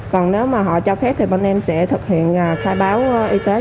còn nếu mà họ cho phép thì bọn em sẽ thực hiện khai báo y tế